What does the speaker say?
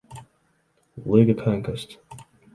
League of Conquest: